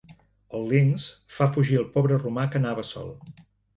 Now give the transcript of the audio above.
El linx fa fugir el pobre romà que anava sol.